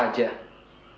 jadi aku yang makan terus